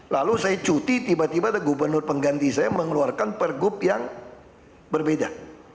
lalu saya cuti tiba tiba ada gubernur pengganti saya mengeluarkan pergub yang berbeda